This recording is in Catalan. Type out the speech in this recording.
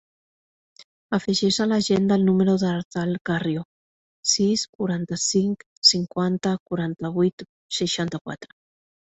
Afegeix a l'agenda el número de l'Artal Carrio: sis, quaranta-cinc, cinquanta, quaranta-vuit, seixanta-quatre.